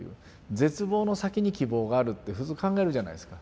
絶望の先に希望があるって普通考えるじゃないですか。